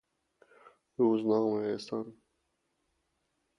روزنامه رسان